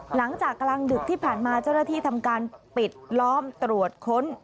หลังจากกลางดึกที่ผ่านมาเจ้าหน้าที่ทำการปิดล้อมตรวจค้น